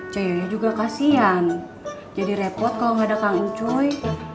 coyoya juga kasian jadi repot kalau gak ada kak ncuy